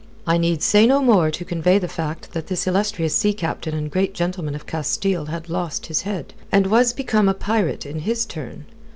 I need say no more to convey the fact that this illustrious sea captain and great gentleman of Castile had lost his head, and was become a pirate in his turn.